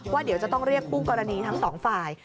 ว่าเดี๋ยวจะต้องเรียกคู่กรณีทั้งสองฝ่าย